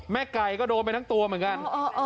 ไก่ก็โดนไปทั้งตัวเหมือนกัน